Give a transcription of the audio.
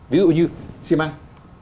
ví dụ như xi măng